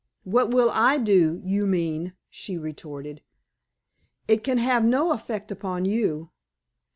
"What will I do, you mean?" she retorted. "It can have no effect upon you.